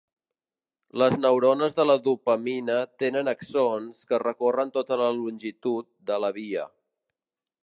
Les neurones de la dopamina tenen axons que recorren tota la longitud de la via.